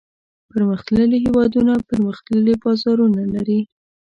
پرمختللي هېوادونه پرمختللي بازارونه لري.